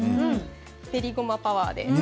練りごまパワーで。